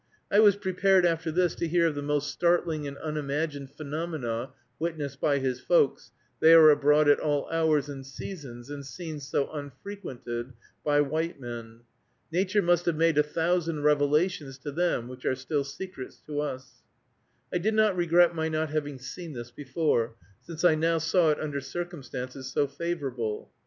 I was prepared after this to hear of the most startling and unimagined phenomena, witnessed by "his folks;" they are abroad at all hours and seasons in scenes so unfrequented by white men. Nature must have made a thousand revelations to them which are still secrets to us. I did not regret my not having seen this before, since I now saw it under circumstances so favorable.